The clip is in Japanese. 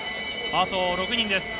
あと６人です。